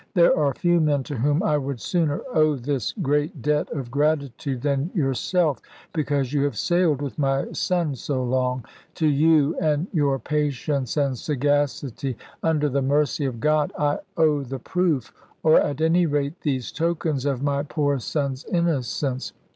There are few men to whom I would sooner owe this great debt of gratitude than yourself, because you have sailed with my son so long. To you and your patience and sagacity, under the mercy of God, I owe the proof, or at any rate these tokens of my poor son's innocence.